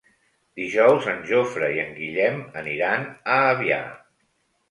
Dijous en Jofre i en Guillem aniran a Avià.